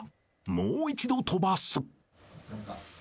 ［もう一度飛ばす］